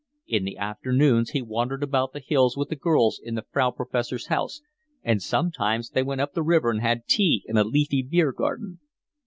In the afternoons he wandered about the hills with the girls in the Frau Professor's house, and sometimes they went up the river and had tea in a leafy beer garden.